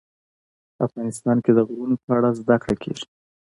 افغانستان کې د غرونه په اړه زده کړه کېږي.